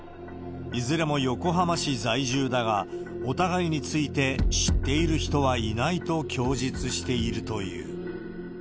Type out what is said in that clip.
いずれも横浜市在住だが、お互いについて知っている人はいないと供述しているという。